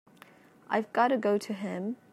I've got to go to him.